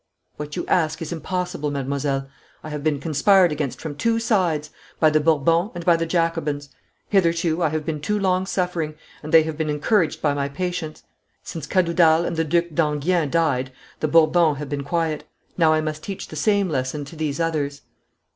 'What you ask is impossible, mademoiselle. I have been conspired against from two sides by the Bourbons and by the Jacobins. Hitherto I have been too long suffering, and they have been encouraged by my patience. Since Cadoudal and the Due d'Enghien died the Bourbons have been quiet. Now I must teach the same lesson to these others.'